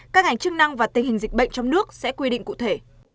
các ngành chức năng và tình hình dịch bệnh trong nước sẽ quy định cụ thể